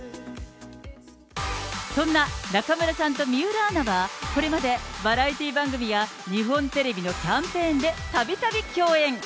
そんな中村さんと水卜アナは、これまでバラエティー番組や日本テレビのキャンペーンで、たびたび共演。